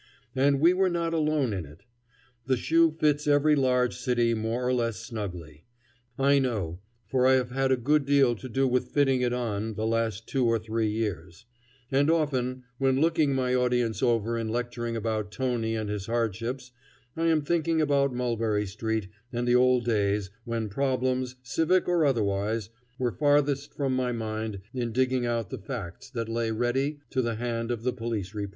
And we were not alone in it. The shoe fits every large city more or less snugly. I know, for I have had a good deal to do with fitting it on the last two or three years; and often, when looking my audience over in lecturing about Tony and his hardships, I am thinking about Mulberry Street and the old days when problems, civic or otherwise, were farthest from my mind in digging out the facts that lay ready to the hand of the police reporter.